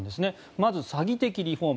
まず詐欺的リフォーム。